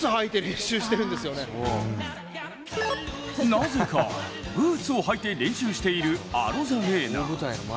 なぜかブーツを履いて練習しているアロザレーナ。